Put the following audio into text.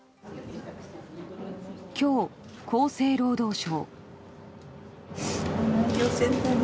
今日、厚生労働省。